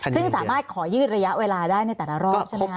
ซึ่งสามารถขอยืดระยะเวลาได้ในแต่ละรอบใช่ไหมคะ